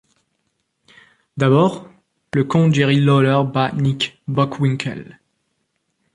D'abord le quand Jerry Lawler bat Nick Bockwinkel.